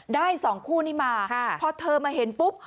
ได้สองคู่นี้มาพอเธอมาเห็นปุ๊บ